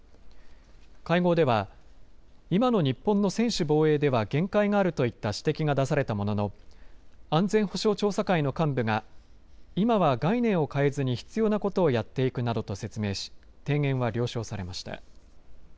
会合では今の日本の専守防衛では限界があるといった指摘が出されたものの安全保障調査会の幹部が今は概念を変えずに必要なことをやっていくなどと説明し提言は了承されました。